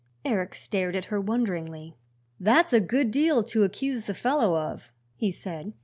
Eric stared at her wonderingly. "That's a good deal to accuse the fellow of," he said.